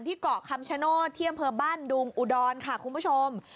เกาะคำชโนธที่อำเภอบ้านดุงอุดรค่ะคุณผู้ชม